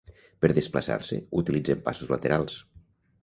Per desplaçar-se, utilitzen passos laterals.